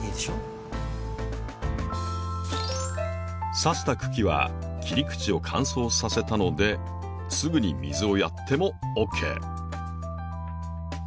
さした茎は切り口を乾燥させたのですぐに水をやってもＯＫ。